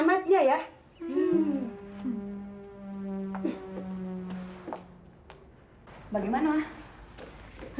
aduh aneh aneh saja tinggal aku penggemar penggemar kakakmu